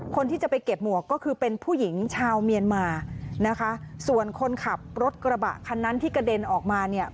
คนที่จะไปเก็บหมวกก็คือเป็นผู้หญิงชาวเมียนมานะคะส่วนคนขับรถกระบะคันนั้นที่กระเด็นออกมาเนี่ย